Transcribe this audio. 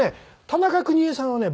田中邦衛さんはね